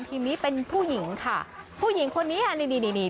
ทีมนี้เป็นผู้หญิงค่ะผู้หญิงคนนี้ค่ะนี่นี่นี่